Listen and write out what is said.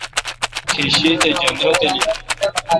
کیش شیی تھ جندر تالیل۔